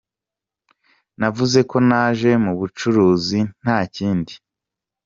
Navuze ko naje mu bucuruzi nta kindi.